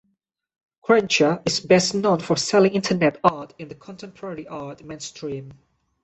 Grancher is best known for selling Internet art in the contemporary art mainstream.